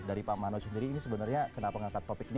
dari pak manoj sendiri ini sebenarnya kenapa mengangkat topik ini